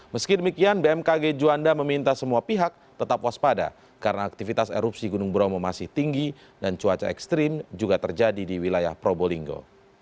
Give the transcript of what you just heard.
meski demikian bmkg juanda meminta semua pihak tetap waspada karena aktivitas erupsi gunung bromo masih tinggi dan cuaca ekstrim juga terjadi di wilayah probolinggo